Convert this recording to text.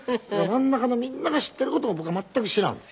真ん中のみんなが知っている事を僕は全く知らんのですよ。